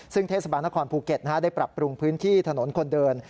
ซึ่งเทศบาลนครภูเก็ตได้ปรับปรุงพื้นที่ถนนคนเดิน